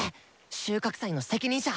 収穫祭の責任者！